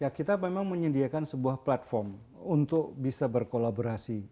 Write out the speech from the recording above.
ya kita memang menyediakan sebuah platform untuk bisa berkolaborasi